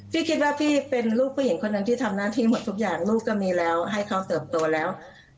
พี่คิดว่าพี่เป็นลูกผู้หญิงคนหนึ่งที่ทำหน้าที่หมดทุกอย่างลูกก็มีแล้วให้เขาเติบโตแล้ว